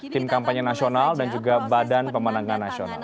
tim kampanye nasional dan juga badan pemenangan nasional